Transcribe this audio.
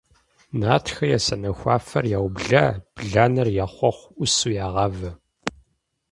Нартхэ я сэнэхуафэр яублэ, бланэр я хъуэхъу Ӏусу ягъавэ.